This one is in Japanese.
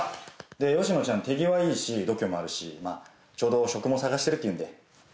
で吉野ちゃん手際いいし度胸もあるしちょうど職も探してるっていうんで。